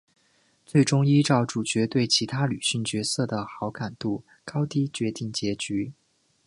最终依照主角对其他女性角色的好感度高低决定结局。